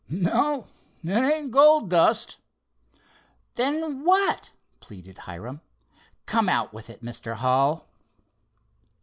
"No, it ain't gold dust." "Then what?" pleaded Hiram. "Come, out with it, Mr. Hull."